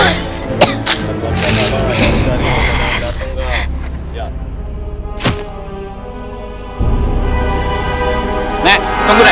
nek tunggu nek